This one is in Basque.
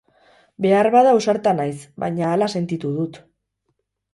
Behar bada ausarta naiz, baina hala sentitu dut.